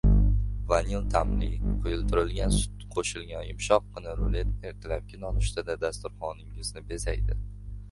Vanil ta’mli, quyultirilgan sut qo‘shilgan yumshoqqina rulet ertalabki nonushtada dasturxoningizni bezaydi